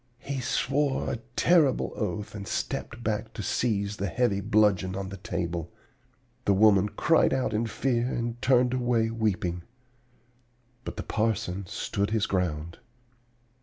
He swore a terrible oath and stepped back to seize the heavy bludgeon on the table. The woman cried out in fear and turned away weeping. But the parson stood his ground.